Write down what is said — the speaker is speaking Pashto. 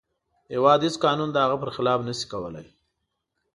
د هیواد هیڅ قانون د هغه پر خلاف نشي کولی.